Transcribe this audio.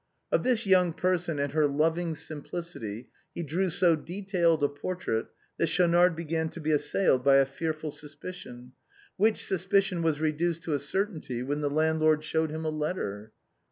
Of this young person and her loving simplicity he drew so detailed a portrait, that Schaunard began to be assailed by a fearful suspicion, which suspicion was re duced to a certainty when the landlord showed him a letter.